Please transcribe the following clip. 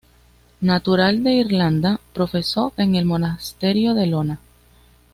Natural de Irlanda, profesó en el monasterio de Iona.